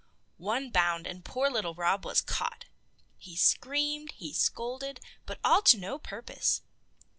One bound, and poor little Rob was caught. He screamed, he scolded, but all to no purpose.